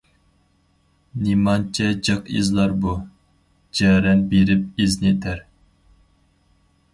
نېمانچە جىق ئىزلار بۇ، جەرەن بېرىپ ئىزنى تەر!